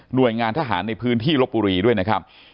โดยงานทหารในพื้นที่ลบบุรีด้วยนะครับ